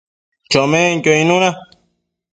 chomenquio icnuna